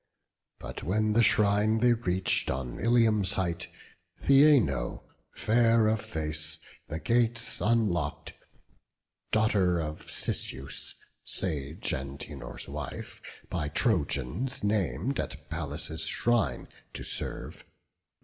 But when the shrine they reach'd on Ilium's height, Theano, fair of face, the gates unlock'd, Daughter of Cisseus, sage Antenor's wife, By Trojans nam'd at Pallas' shrine to serve.